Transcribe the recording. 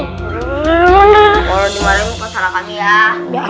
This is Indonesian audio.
kalau dimalarin bukan salah kami ya